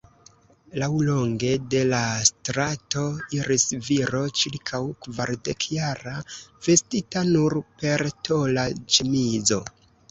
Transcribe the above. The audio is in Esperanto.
Laŭlonge de la strato iris viro ĉirkaŭ kvardekjara, vestita nur per tola ĉemizo.